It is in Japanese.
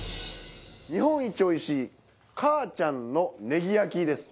日本一おいしいかあちゃんのネギ焼きです。